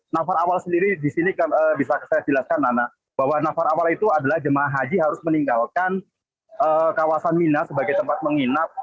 nafar awal sendiri di sini bisa saya jelaskan nana bahwa nafar awal itu adalah jemaah haji harus meninggalkan kawasan mina sebagai tempat menginap